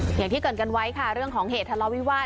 อย่างที่เกิดกันไว้ค่ะเรื่องของเหตุทะเลาวิวาส